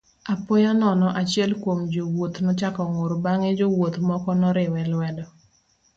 Apoya nono achiel kuom jowuoth nochako ng'ur bang'e jowuoth moko noriwe lwedo.